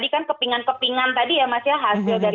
kemudian kepingan kepingan dari eksumasi atau otopsi yang kedua tadi